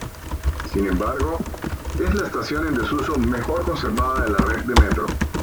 Sin embargo es la estación en desuso mejor conservada de la red de Metro.